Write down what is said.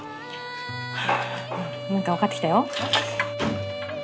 何か分かってきたよ。